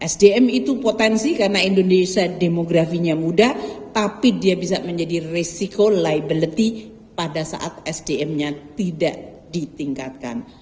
sdm itu potensi karena indonesia demografinya mudah tapi dia bisa menjadi risiko liability pada saat sdm nya tidak ditingkatkan